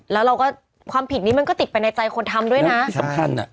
แล้วเราก็ความผิดนี้มันก็ติดไปในใจคนทำด้วยนะที่สำคัญอ่ะ